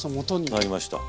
なりました。